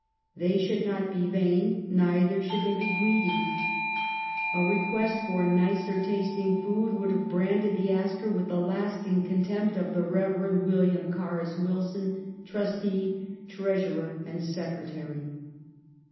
They should not be vain, neither should they be greedy. A request for nicer tasting food would have branded the asker with the lasting contempt of the Rev. William Carus Wilson, trustee, treasurer, and COWAN'S BRIDGE. 47 secretary.